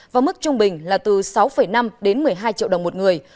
và mức trung bình là từ sáu năm đến một mươi hai triệu đồng một người